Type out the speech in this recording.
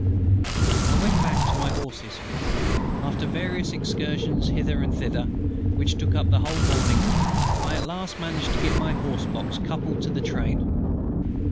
I went back to my horses. After various excursions hither and thither which took up the whole morning I at last managed to get my horse box coupled to the train.